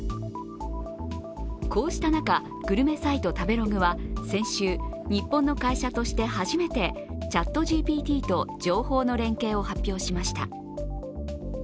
こうした中、グルメサイト食べログは先週、日本の会社として初めてＣｈａｔＧＰＴと情報の連携を発表しました。